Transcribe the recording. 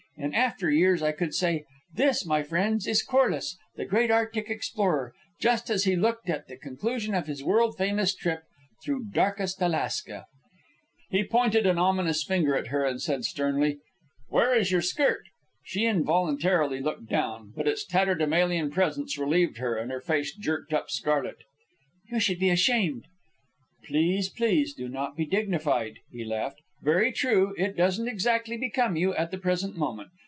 In after years I could say: 'This, my friends, is Corliss, the great Arctic explorer, just as he looked at the conclusion of his world famous trip Through Darkest Alaska.'" He pointed an ominous finger at her and said sternly, "Where is your skirt?" She involuntarily looked down. But its tatterdemalion presence relieved her, and her face jerked up scarlet. "You should be ashamed!" "Please, please do not be dignified," he laughed. "Very true, it doesn't exactly become you at the present moment.